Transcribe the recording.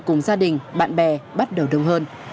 cùng gia đình bạn bè bắt đầu đông hơn